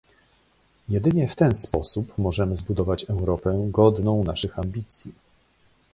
Jedynie w ten sposób możemy zbudować Europę godną naszych ambicji